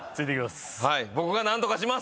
僕が何とかします！